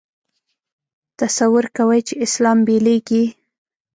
تصور کوي چې اسلام بېلېږي.